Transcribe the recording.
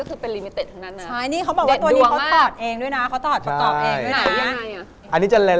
คือถ่ายมาเลยแม่งคิดค่ะถ่ายเขามาเลย